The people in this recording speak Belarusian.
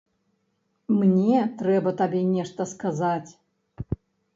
Мне трэба табе нешта сказаць.